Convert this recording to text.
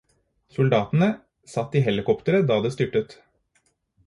Soldatene satt i helikopteret da det styrtet.